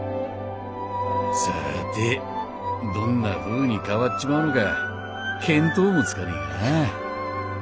さぁてどんなふうに変わっちまうのか見当もつかねぇがなあ。